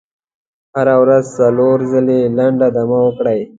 هره ورځ څلور ځلې لنډه دمه وکړئ.